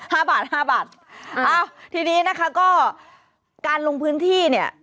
ห้าบาทห้าบาทอ้าวทีนี้นะคะก็การลงพื้นที่เนี่ย